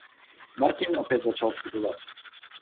Martin opět začal studovat.